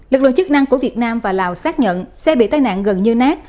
lực lượng chức năng của việt nam và lào xác nhận xe bị tai nạn gần như nt